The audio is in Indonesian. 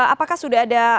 apakah sudah ada